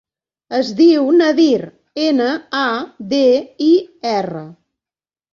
Es diu Nadir: ena, a, de, i, erra.